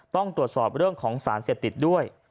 ต้องตรวจสอบเรื่องของสารเสพติดด้วย